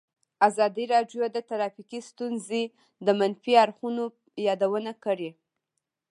ازادي راډیو د ټرافیکي ستونزې د منفي اړخونو یادونه کړې.